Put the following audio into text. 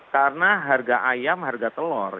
karena harga ayam harga telur